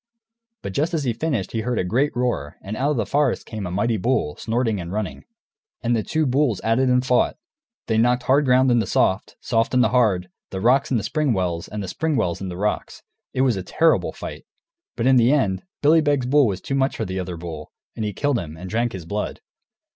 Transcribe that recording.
But just as he finished he heard a great roar, and out of the forest came a mighty bull, snorting and running. And the two bulls at it and fought. They knocked the hard ground into soft, the soft into hard, the rocks into spring wells, and the spring wells into rocks. It was a terrible fight. But in the end, Billy Beg's bull was too much for the other bull, and he killed him, and drank his blood.